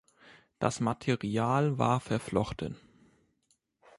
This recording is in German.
Das Material war verflochten.